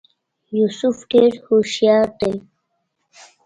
په دې توګه به پوه شو چې ولې دوی د مبارک پر ضد راپاڅېدل.